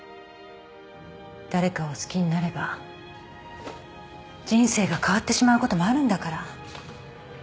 誰かを好きになれば人生が変わってしまうこともあるんだから。